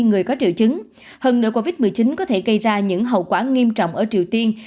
người có triệu chứng hơn nữa covid một mươi chín có thể gây ra những hậu quả nghiêm trọng ở triều tiên